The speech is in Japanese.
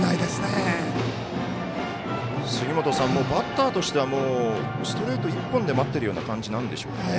バッターとしてはストレート１本で待っているような感じなんでしょうか。